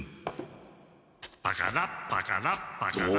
パカラパカラパカラ。